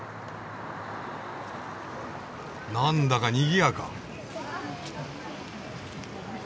なんだかにぎやか。